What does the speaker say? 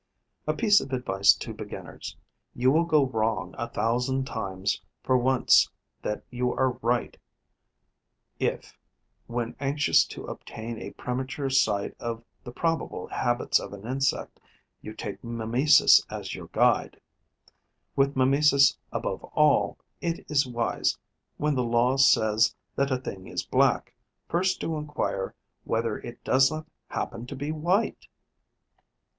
A piece of advice to beginners: you will go wrong a thousand times for once that you are right if, when anxious to obtain a premature sight of the probable habits of an insect, you take mimesis as your guide. With mimesis above all, it is wise, when the law says that a thing is black, first to enquire whether it does not happen to be white.